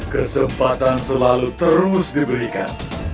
kesempatan selalu terus diberikan